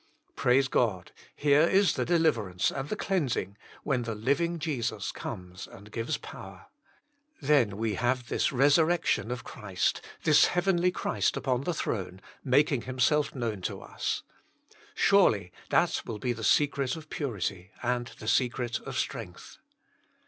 Praise God, here is the deliver ance and the cleansing, when the living Jesus comes and gives power. Then we have this resurrection of Christ, this heavenly Christ upon the throne, mak ing Himself known to us. Surely that will be the secret of purity and the se cret of strength.